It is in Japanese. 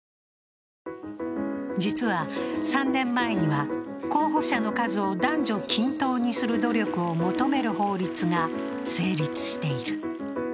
実は、３年前には候補者の数を男女均等にする努力を求める法律が成立している。